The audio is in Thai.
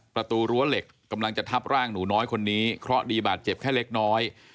ประตูรั้วเหล็กกำลังจะทับร่างหนูน้อยคนนี้เคราะห์ดีบาดเจ็บแค่เล็กน้อย